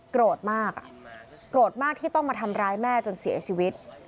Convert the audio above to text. โกรธมากโกรธมากที่ต้องมาทำร้ายแม่จนเสียชีวิต